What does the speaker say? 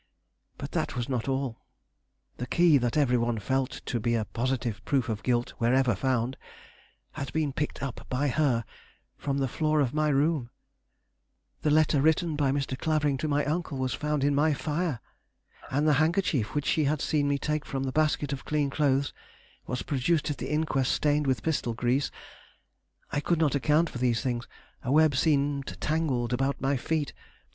But that was not all; the key that every one felt to be a positive proof of guilt wherever found, had been picked up by her from the floor of my room; the letter written by Mr. Clavering to my uncle was found in my fire; and the handkerchief which she had seen me take from the basket of clean clothes, was produced at the inquest stained with pistol grease. I could not account for these things. A web seemed tangled about my feet.